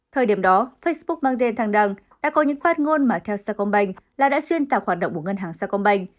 thời điểm đó facebook mang tên thang đăng đã có những phát ngôn mà theo sa công banh là đã xuyên tạo hoạt động của ngân hàng sa công banh